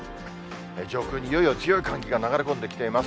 上空にいよいよ強い寒気が流れ込んできています。